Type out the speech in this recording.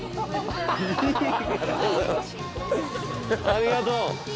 ありがとう。